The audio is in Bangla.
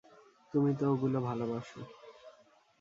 তুমি তো ওগুলো ভালোবাসো।